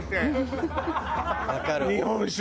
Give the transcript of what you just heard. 日本酒